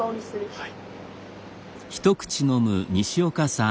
はい。